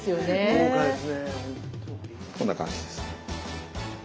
こんな感じですね。